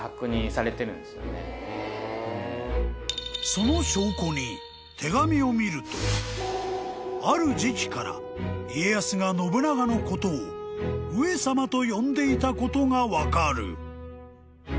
［その証拠に手紙を見るとある時期から家康が信長のことを上様と呼んでいたことが分かる］